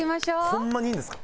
ホンマにいいんですか？